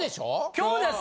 今日です。